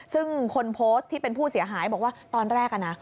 ซึ่งคนโพสต์ที่เป็นผู้เสียหายบอกว่าตอนแรกนะ